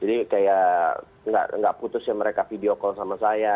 jadi kayak gak putus ya mereka video call sama saya